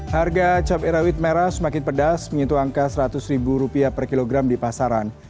harga cabai rawit merah semakin pedas menyentuh angka rp seratus per kilogram di pasaran